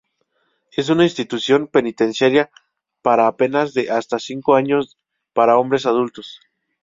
Es una institución penitenciaria para penas de hasta cinco años para hombres adultos.